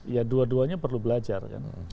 ya dua duanya perlu belajar kan